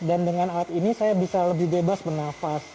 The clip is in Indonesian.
dan dengan alat ini saya bisa lebih bebas menafas